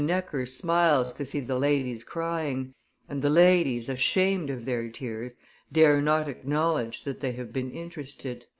Necker smiles to see the ladies crying, and the ladies ashamed of their tears dare not acknowledge that they have been interested."